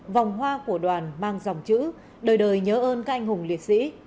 vòng hoa của đoàn mang dòng chữ đời đời nhớ ơn các anh hùng liệt sĩ